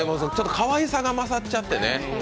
かわいさが勝っちゃってね。